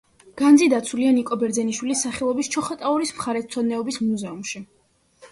განძი დაცულია ნიკო ბერძენიშვილის სახელობის ჩოხატაურის მხარეთმცოდნეობის მუზეუმში.